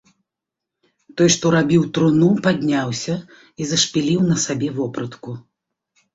Той, што рабіў труну, падняўся і зашпіліў на сабе вопратку.